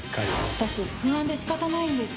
私不安で仕方ないんです。